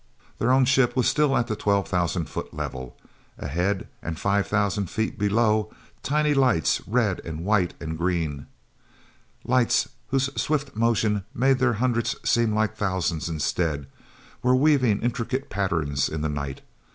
heir own ship was still at the twelve thousand foot level. Ahead, and five thousand feet below, tiny lights, red and white and green, lights whose swift motion made their hundreds seem like thousands instead, were weaving intricate patterns in the night.